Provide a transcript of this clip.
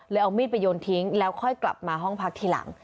เอามีดไปโยนทิ้งแล้วค่อยกลับมาห้องพักทีหลัง